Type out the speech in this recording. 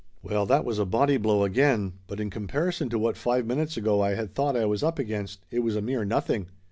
Well, that was a body blow again, but in comparison to what five minutes ago I had thought I was up against, it was a mere nothing